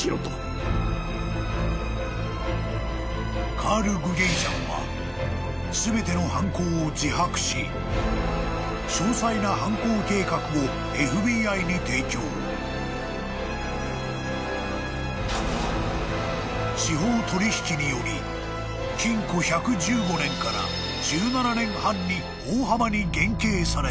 ［カール・グゲイジャンは全ての犯行を自白し詳細な］［司法取引により禁錮１１５年から１７年半に大幅に減刑された］